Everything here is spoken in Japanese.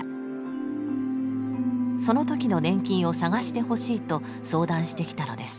その時の年金を探してほしいと相談してきたのです。